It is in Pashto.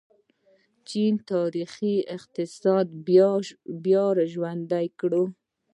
چین تاریخي اقتصاد بیا راژوندی کړ.